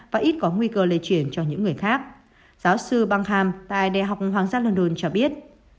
và ít có nguy cơ lây chuyển cho những người khác giáo sư bang ham tại đại học hoàng gia london cho biết